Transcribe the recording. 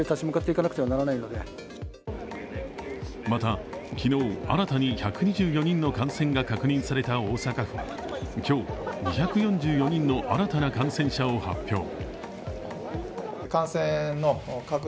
また、昨日新たに１２４人の感染が確認された大阪府は今日、２４４人の新たな感染者を発表。